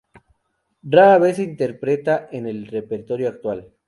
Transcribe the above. Rara vez se interpreta en el repertorio actual.